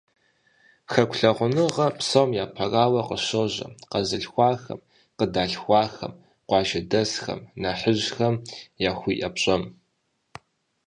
Хэку лъагъуныгъэр, псом япэрауэ, къыщожьэ къэзылъхуахэм, къыдалъхуахэм, къуажэдэсхэм, нэхъыжьхэм яхуиӏэ пщӏэм.